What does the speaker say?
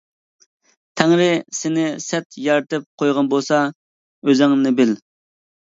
تەڭرى سېنى سەت يارىتىپ قويغان بولسا، ئۆزۈڭنى بىل.